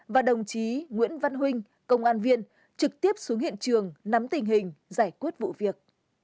và đồng chí nguyễn văn huynh công an viên trực tiếp xuống hiện trường nắm tình hình giải quyết vụ việc